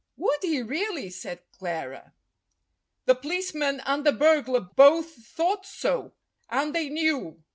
"Would he really?" said Clara. "The policeman and the burglar both thought so, and they knew.